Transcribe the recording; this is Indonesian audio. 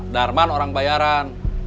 darman orang bayaran